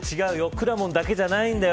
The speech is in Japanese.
くらもんだけじゃないんだよ。